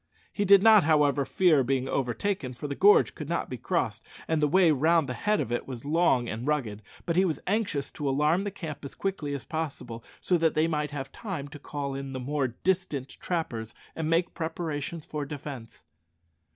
He did not, however, fear being overtaken, for the gorge could not be crossed, and the way round the head of it was long and rugged; but he was anxious to alarm the camp as quickly as possible, so that they might have time to call in the more distant trappers and make preparations for defence.